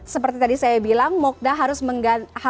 seperti tadi saya bilang mokta harus menggunakan seo atau mempersilahkan